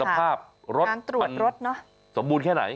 สภาพรถมันสมบูรณ์แค่ไหน